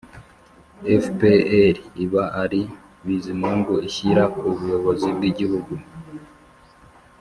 fpr iba ari bizimungu ishyira ku buyobozi bw' i gihugu.